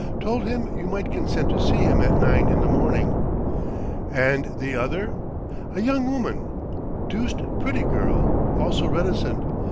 Told him you might consent to see him at nine in the morning." "And the other?" "A young woman deuced pretty girl also reticent.